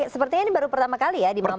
sepertinya ini baru pertama kali ya di mampang